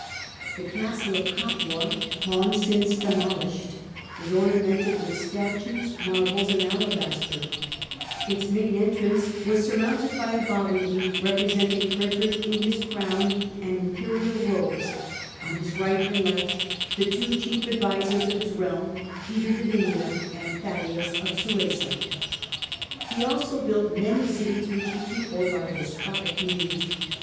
The castle of Capua, long since demolished, was orna mented with statues, marbles and alabaster : its main THE YEARS OF SOLACE 125 entrance was surmounted by a bas relief representing Frederick in his Crown and Imperial robes, on his right and left the two chief advisers of his realm, Peter de Vinea and Thaddaeus of Suessa. He also built many cities, which he peopled by despotic means.